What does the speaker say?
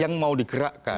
yang mau dikerahkan